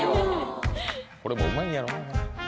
これもうまいんやろうな